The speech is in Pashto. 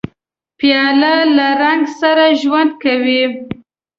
پیاله له رنګ سره ژوند کوي.